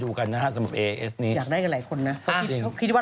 อื้อ